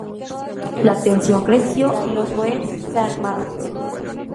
La tensión creció, y los bóers se armaron.